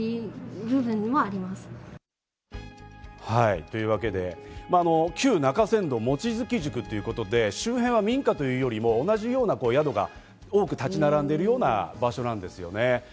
というわけで、旧中山道望月宿ということで、周辺は民家というよりも同じような宿が多く立ち並んでるような場所なんですよね。